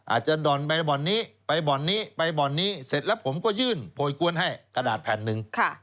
อาจจะด่อนไปบ่อนนี้ไปบ่อนนี้ไปบ่อนนี้เสร็จแล้วผมก็ยื่นโพยกวนให้กระดาษแผ่นหนึ่ง